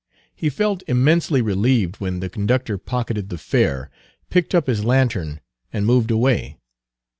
He felt immensely relieved when the conductor pocketed the fare, picked up his lantern, and moved away.